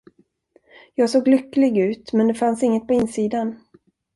Jag såg lycklig ut, men det fanns inget på insidan.